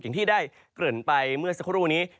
อย่างที่ได้เกริ่นไปเมื่อสักครู่นี้